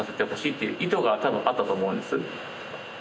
っていう意図がたぶんあったと思うんです。